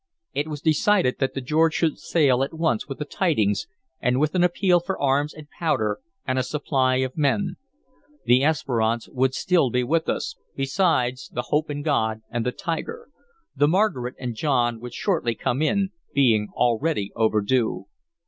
It was decided that the George should sail at once with the tidings, and with an appeal for arms and powder and a supply of men. The Esperance would still be with us, besides the Hope in God and the Tiger; the Margaret and John would shortly come in, being already overdue.